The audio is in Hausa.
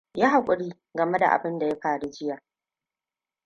Yi hakuri game da abinda ya faru jiya.